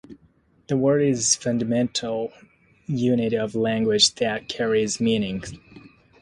The word is a fundamental unit of language that carries meaning.